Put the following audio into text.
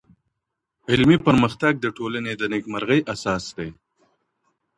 علمي پرمختګ د ټولني د نېکمرغۍ اساس دی.